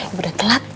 ibu udah telat